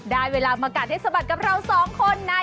ได้เวลามากัดให้สะบัดกับเราสองคนใน